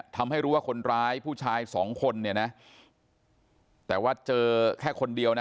ทำให้รู้ว่าคนร้ายผู้ชายสองคนเนี่ยนะแต่ว่าเจอแค่คนเดียวนะ